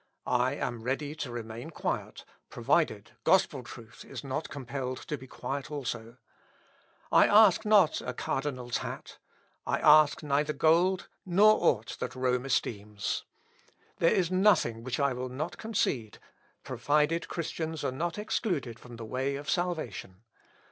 I am ready to remain quiet, provided gospel truth is not compelled to be quiet also. I ask not a cardinal's hat; I ask neither gold, nor aught that Rome esteems. There is nothing which I will not concede, provided Christians are not excluded from the way of salvation.